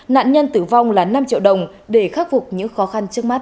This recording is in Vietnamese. nạn nhân tử vong là năm triệu đồng để khắc phục những khó khăn trước mắt